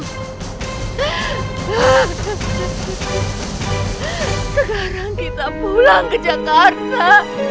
sekarang kita pulang ke jakarta